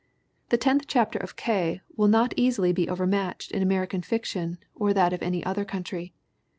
The tenth chapter of K. will not easily be overmatched in American fiction or that of any other country.